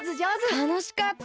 たのしかった！